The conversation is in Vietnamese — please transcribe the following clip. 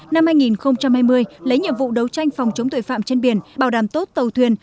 năm hai nghìn hai mươi lấy nhiệm vụ đấu tranh phòng chống tội phạm trên biển bảo đảm tốt tàu thuyền